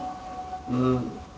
うん。